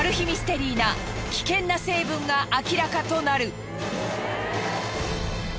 ミステリーな危険な成分が明らかとなる。